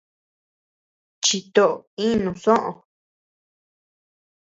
Chitó inu soʼö.